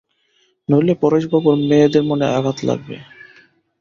নইলে পরেশবাবুর মেয়েদের মনে আঘাত লাগবে।